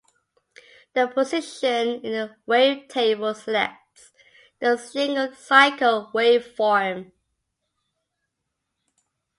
The position in the wavetable selects the single cycle waveform.